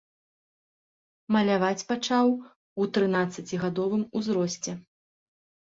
Маляваць пачаў у трынаццацігадовым узросце.